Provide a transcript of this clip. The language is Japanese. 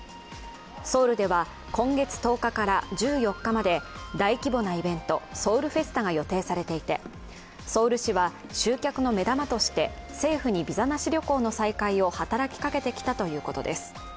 ソウルでは、今月１０日から１４日まで大規模なイベント、ソウルフェスタが予定されていて、ソウル市は、集客の目玉として政府にビザなし旅行の再開を働きかけてきたということです。